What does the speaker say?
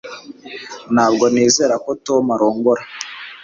ntabwo nizera ko tom arongora